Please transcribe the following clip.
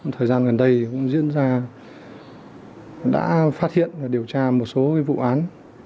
thời gian gần đây cũng diễn ra đã phát hiện và điều tra một số vụ án